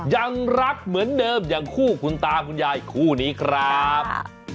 ยังรักเหมือนเดิมอย่างคู่คุณตาคุณยายคู่นี้ครับ